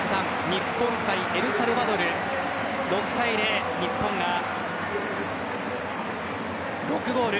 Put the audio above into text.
日本対エルサルバドル６対０、日本が６ゴール。